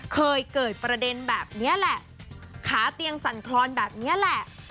เคยเกิดประเด็นแบบนี้แหละขาเตียงสั่นคลอนแบบนี้แหละ